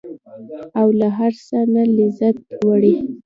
او له هر څه نه لذت وړي.